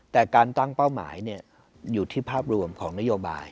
แต่การตั้งเป้าหมายอยู่ที่ภาพรวมของนโยบาย